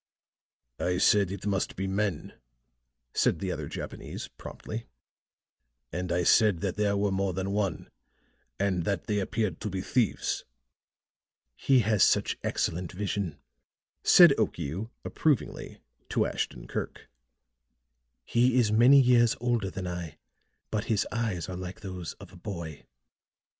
"I said it must be men," said the other Japanese promptly. "And I said that there were more than one, and that they appeared to be thieves." "He has such excellent vision," said Okiu, approvingly, to Ashton Kirk. "He is many years older than I, but his eyes are like those of a boy.